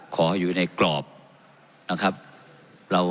ขอให้อยู่ในกรอบนะครับ